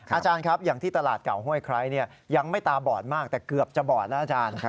อาจารย์ครับอย่างที่ตลาดเก่าห้วยไคร้ยังไม่ตาบอดมากแต่เกือบจะบอดแล้วอาจารย์